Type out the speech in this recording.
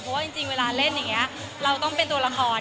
เพราะว่าจริงเวลาเล่นอย่างนี้เราต้องเป็นตัวละคร